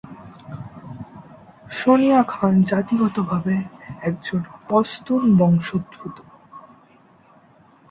সোনিয়া খান জাতিগতভাবে একজন পশতুন বংশোদ্ভূত।